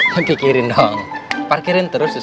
pikirin dong parkirin terus ustaz